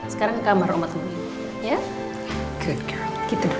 sekarang ke kamar omatmu